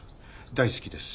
大好きです。